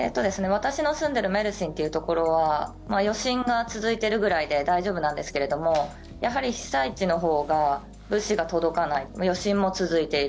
私の住んでるメルシンっていうところは余震が続いてるぐらいで大丈夫なんですけれどもやはり、被災地のほうが物資が届かない余震も続いている。